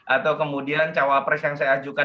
atau kemudian cawapres yang saya ajukan